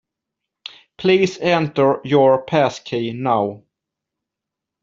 Please enter your passkey now